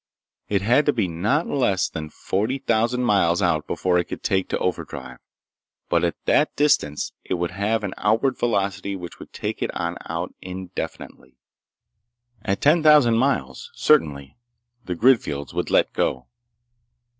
It had to be not less than forty thousand miles out before it could take to overdrive. But at that distance it would have an outward velocity which would take it on out indefinitely. At ten thousand miles, certainly, the grid fields would let go.